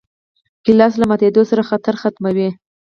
ګیلاس له ماتېدو سره خاطره ختموي.